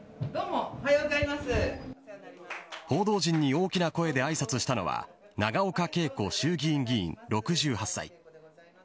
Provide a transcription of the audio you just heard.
報道陣に大きな声であいさつしたのは永岡桂子衆議院議員、６８歳。